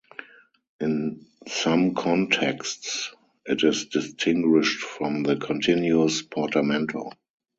In some contexts it is distinguished from the continuous portamento.